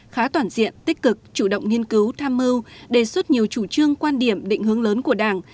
khá toàn diện tích cực chủ động nghiên cứu tham mưu đề xuất nhiều chủ trương quan điểm định hướng lớn của đảng